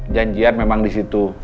janjian memang di situ